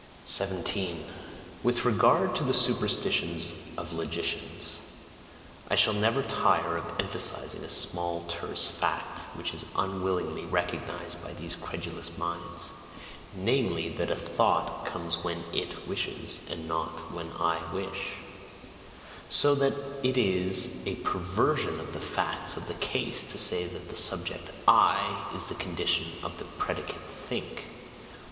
17. With regard to the superstitions of logicians, I shall never tire of emphasizing a small, terse fact, which is unwillingly recognized by these credulous minds namely, that a thought comes when "it" wishes, and not when "I" wish; so that it is a PERVERSION of the facts of the case to say that the subject "I" is the condition of the predicate "think."